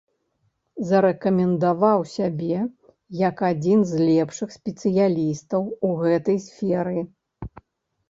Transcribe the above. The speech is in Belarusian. Зарэкамендаваў сябе як адзін з лепшых спецыялістаў у гэтай сферы.